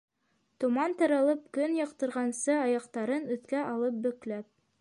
Томан таралып көн яҡтырғансы аяҡтарын өҫкә алып бөкләп